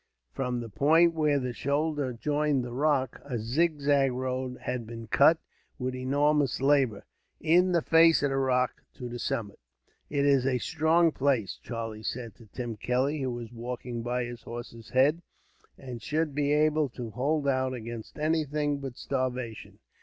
From the point where the shoulder joined the rock, a zigzag road had been cut, with enormous labour, in the face of the rock, to the summit. "It is a strong place," Charlie said to Tim Kelly, who was walking by his horse's head; "and should be able to hold out against anything but starvation.